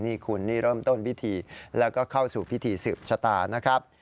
นี่คุณนี่เริ่มต้นพิธีแล้วก็เข้าสู่พิธีสืบชะตานะครับ